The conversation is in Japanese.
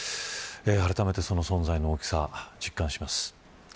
あらためて、その存在の大きさを実感します。